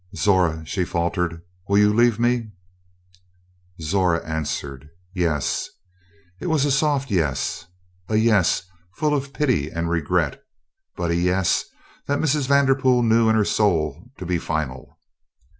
"Zora," she faltered, "will you leave me?" Zora answered, "Yes." It was a soft "yes," a "yes" full of pity and regret, but a "yes" that Mrs. Vanderpool knew in her soul to be final.